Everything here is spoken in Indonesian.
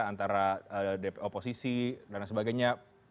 antara oposisi dan sebagainya